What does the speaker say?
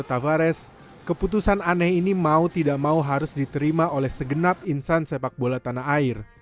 tavares keputusan aneh ini mau tidak mau harus diterima oleh segenap insan sepak bola tanah air